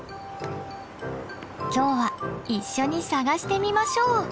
今日は一緒に探してみましょう！